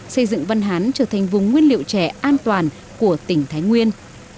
xây dựng văn hán trở thành vùng nguyên liệu trẻ an toàn của tỉnh thái nguyên